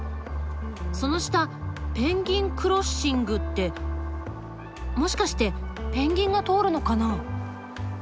その下「ペンギンクロッシング」ってもしかしてペンギンが通るのかな？